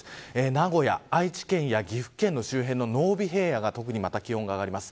名古屋、愛知県や岐阜県の周辺の濃尾平野が特にまた気温が上がります。